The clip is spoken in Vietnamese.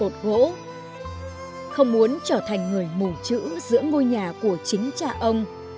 trở thành người mù chữ giữa ngôi nhà của chính cha ông